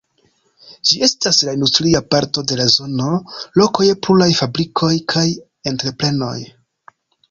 Ĝi estas la industria parto de la zono, loko je pluraj fabrikoj kaj entreprenoj.